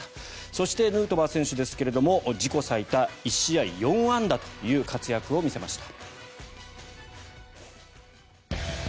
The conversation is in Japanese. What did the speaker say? そして、ヌートバー選手ですが自己最多、１試合４安打という活躍を見せました。